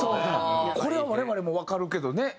これは我々もわかるけどね。